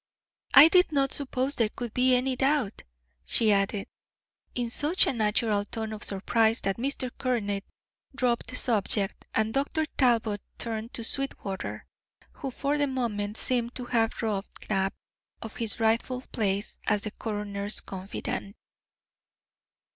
"I did not suppose there could be any doubt," she added, in such a natural tone of surprise that Mr. Courtney dropped the subject, and Dr. Talbot turned to Sweetwater, who for the moment seemed to have robbed Knapp of his rightful place as the coroner's confidant.